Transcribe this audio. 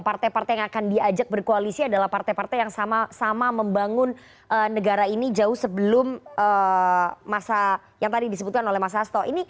partai partai yang akan diajak berkoalisi adalah partai partai yang sama sama membangun negara ini jauh sebelum masa yang tadi disebutkan oleh mas hasto